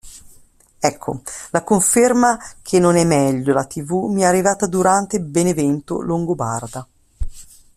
Ecco, la conferma che non è meglio la tv mi è arrivata durante Benevento Longobarda.